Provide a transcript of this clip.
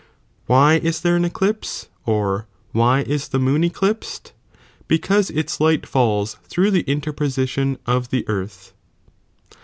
Why ia J^"!!"'''^ there an eclipse, or why is the moon eclipsed ? because its light fails through the interposition of the earth.'